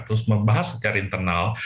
terus membahas secara internal